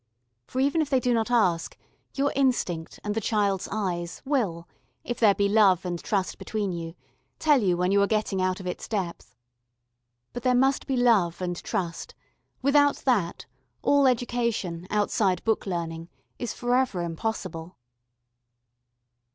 For even if they do not ask, your instinct and the child's eyes will, if there be love and trust between you, tell you when you are getting out of its depth. But there must be love and trust: without that all education outside book learning is for ever impossible.